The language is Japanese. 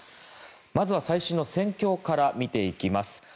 まずは最新の戦況から見ていきます。